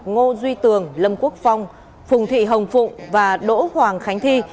ngô duy tường lâm quốc phong phùng thị hồng phụng và đỗ hoàng khánh thi